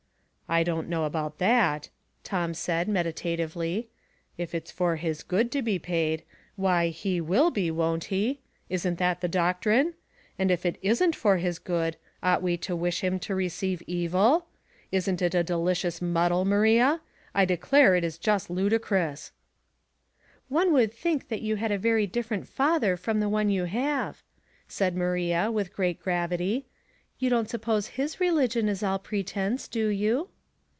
" I don't know about that," Tom said, medi tatively ;" if it's for his good to be paid — why, he will be, won't he? Isn't that the doctrine? And if it isiiH for his good, ought we to wish him to receive evil? Isn't it a delicious muddle, Maria? I declare it is just ludicrous.'* RaisiriB, 28 " One would think that you had a very differ ent father from the one that you have," said Maria, with great gravity. *' You don't suppose his religion is all pretense, do you